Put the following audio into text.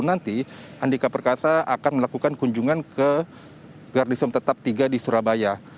nanti andika perkasa akan melakukan kunjungan ke gardisum tetap tiga di surabaya